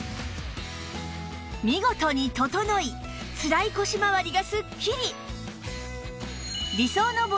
見事に整いつらい腰まわりがすっきり！